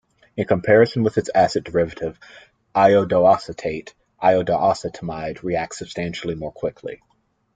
In comparison with its acid derivative, iodoacetate, iodoacetamide reacts substantially more quickly.